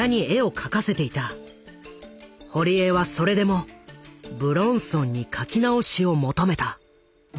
堀江はそれでも武論尊に書き直しを求めた。